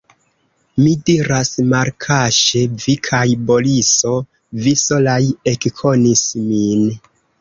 Mi diras malkaŝe: vi kaj Boriso, vi solaj ekkonis min.